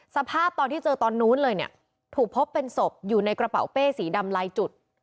สภาพตอนที่เจอตอนนู้นเลยเนี่ยถูกพบเป็นศพอยู่ในกระเป๋าเป้สีดำลายจุด